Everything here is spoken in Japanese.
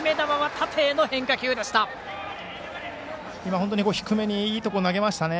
本当に低めにいいところに投げましたね。